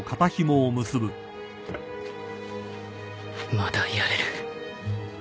まだやれる